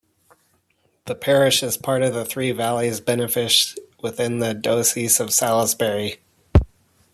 The parish is part of the Three Valleys benefice within the Diocese of Salisbury.